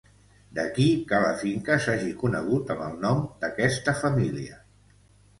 D'aquí que la finca s'hagi conegut amb el nom d'aquesta família.